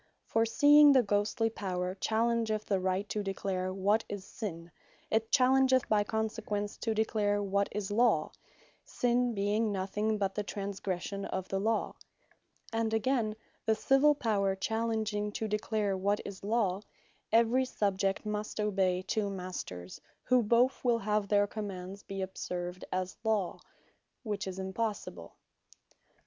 For seeing the Ghostly Power challengeth the Right to declare what is Sinne it challengeth by consequence to declare what is Law, (Sinne being nothing but the transgression of the Law;) and again, the Civill Power challenging to declare what is Law, every Subject must obey two Masters, who bothe will have their Commands be observed as Law; which is impossible.